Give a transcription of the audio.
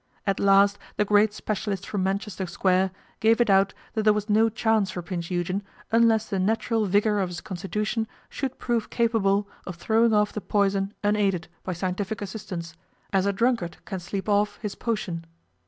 At last the great specialist from Manchester Square gave it out that there was no chance for Prince Eugen unless the natural vigour of his constitution should prove capable of throwing off the poison unaided by scientific assistance, as a drunkard can sleep off his potion.